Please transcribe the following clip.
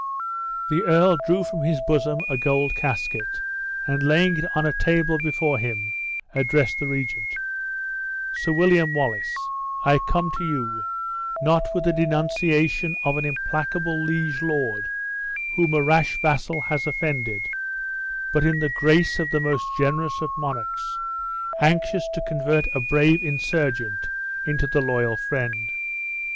The earl drew from his bosom a gold casket, and laying it on a table before him, addressed the regent: "Sir William Wallace, I come to you, not with the denunciation of an implacable liege lord, whom a rash vassal has offended, but in the grace of the most generous of monarchs, anxious to convert a brave insurgent into the loyal friend.